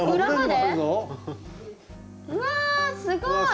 うわすごい！